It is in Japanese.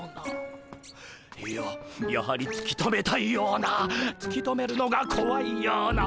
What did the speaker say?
いややはりつき止めたいようなつき止めるのがこわいような。